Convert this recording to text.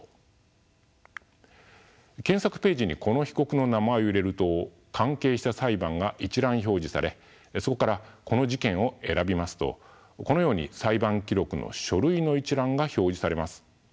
検索ページにこの被告の名前を入れると関係した裁判が一覧表示されそこからこの事件を選びますとこのように裁判記録の書類の一覧が表示されます。